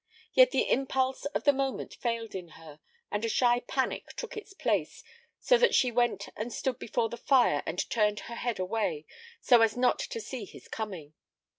Yet the impulse of the moment failed in her, and a shy panic took its place, so that she went and stood before the fire and turned her head away so as not to see his coming.